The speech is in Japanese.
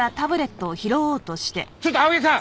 ちょっと青柳さん！